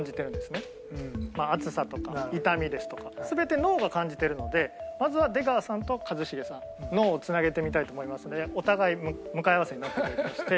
まあ熱さとか痛みですとか全て脳が感じてるのでまずは出川さんと一茂さん脳をつなげてみたいと思いますのでお互い向かい合わせになっていただきまして。